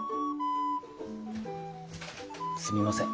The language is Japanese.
すみません。